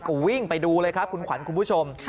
ก็วิ่งไปดูเลยครับคุณขวัญคุณผู้ชม